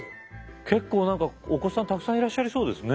結構何かお子さんたくさんいらっしゃりそうですね？